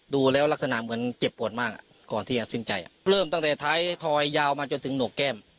ดูแล้วลักษณะเหมือนเจ็บปวดมากก่อนที่จะสิ้นใจเริ่มตั้งแต่ท้ายทอยยาวมาจนถึงหนกแก้ม